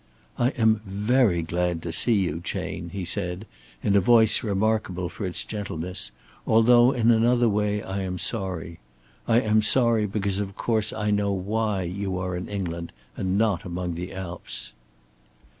"I am very glad to see you, Chayne," he said, in a voice remarkable for its gentleness, "although in another way I am sorry. I am sorry because, of course, I know why you are in England and not among the Alps."